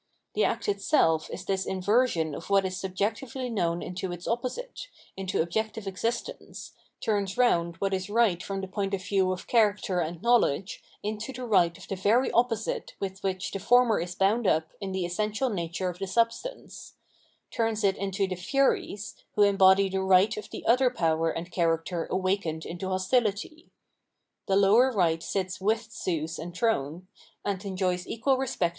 The act itself is this inversion of what is subjectively known into its opposite, into objective existence, turns round what is right from the point of view of character and knowledge into the right of the very opposite with which the former is bound up in the essential nature of the substance — ^tums it into the " Furies " who embody the right of the other power and character awakened into hostility. The lower right sits with Zeus enthroned, and enjoys equal respect a.